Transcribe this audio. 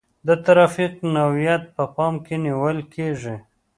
د ترافیک نوعیت په پام کې نیول کیږي